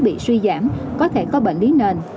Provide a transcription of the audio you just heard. bị suy giảm có thể có bệnh lý nền